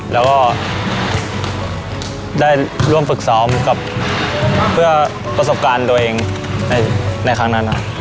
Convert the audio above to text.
แล้วก็ได้ร่วมฝึกซ้อมกับเพื่อประสบการณ์ตัวเองในครั้งนั้น